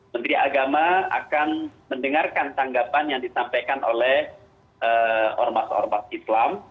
menteri agama akan mendengarkan tanggapan yang disampaikan oleh ormas ormas islam